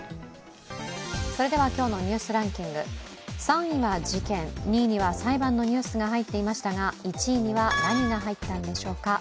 それでは今日の「ニュースランキング」３位は事件、２位には裁判のニュースが入っていましたが１位には何が入ったんでしょうか。